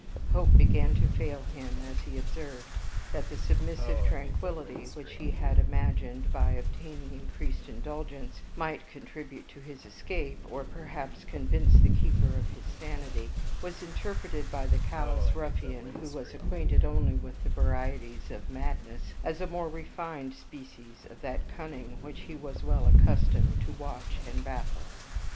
Hope began to fail him, as he observed, that the submissive tranquillity (which he had imagined, by obtaining increased indulgence, might contribute to his escape, or perhaps convince the keeper of his sanity) was interpreted by the callous ruffian, who was acquainted only with the varieties of MADNESS, as a more refined species of that cunning which he was well accustomed to watch and baffle.